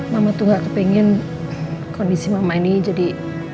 mama tuh ga kepengen kondisi mama ini jadi